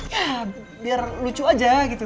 ya biar lucu aja gitu